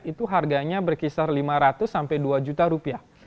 itu harganya berkisar lima ratus sampai dua juta rupiah